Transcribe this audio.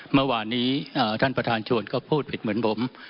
เมื่อวานนี้ท่านประธานชวนก็พูดผิดเหมือนผม